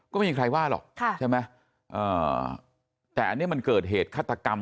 ก็ไม่มีใครว่าหรอกใช่ไหมแต่อันนี้มันเกิดเหตุฆาตกรรม